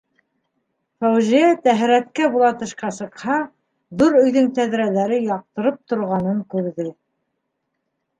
Фәүзиә тәһәрәткә була тышҡа сыҡһа, ҙур өйҙөң тәҙрәләре яҡтырып торғанын күрҙе.